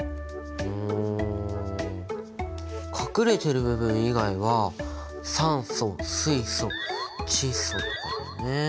うん隠れてる部分以外は酸素水素窒素とかだよね。